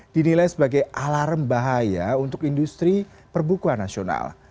dinilai sebagai alarm bahaya untuk industri perbukuan nasional